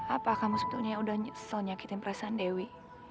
apa kamu sendiri masih belum sadar kalau kamu gak bisa berhenti mikirin dewi